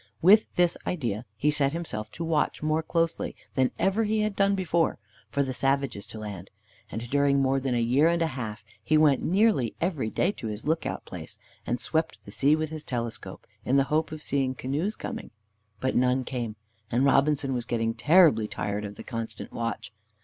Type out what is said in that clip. With this idea, he set himself to watch, more closely than ever he had done before, for the savages to land, and during more than a year and a half he went nearly every day to his lookout place, and swept the sea with his telescope, in the hope of seeing canoes coming. But none came, and Robinson was getting terribly tired of the constant watch.